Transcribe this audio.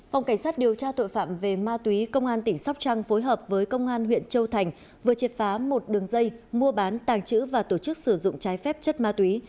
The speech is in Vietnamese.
phòng cảnh sát điều tra tội phạm về ma túy công an tỉnh sóc trăng phối hợp với công an huyện châu thành vừa triệt phá một đường dây mua bán tàng trữ và tổ chức sử dụng trái phép chất ma túy